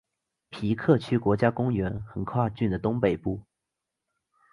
皮克区国家公园横跨郡的东北部。